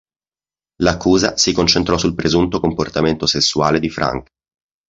L'accusa si concentrò sul presunto comportamento sessuale di Frank.